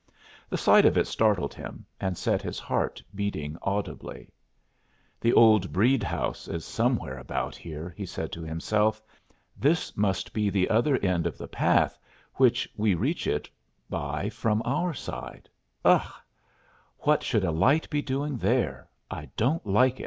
The sight of it startled him and set his heart beating audibly. "The old Breede house is somewhere about here," he said to himself. "This must be the other end of the path which we reach it by from our side. Ugh! what should a light be doing there?"